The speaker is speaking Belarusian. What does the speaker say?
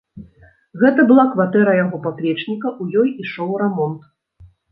Гэта была кватэра яго паплечніка, у ёй ішоў рамонт.